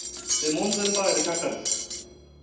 門前払いで却下です。